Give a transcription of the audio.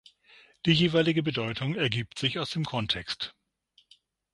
Die jeweilige Bedeutung ergibt sich aus dem Kontext.